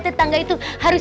tetangga itu harus